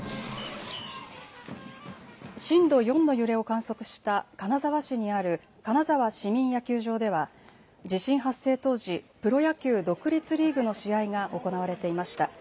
震度４の揺れを観測した金沢市にある金沢市民野球場では地震発生当時、プロ野球独立リーグの試合が行われていました。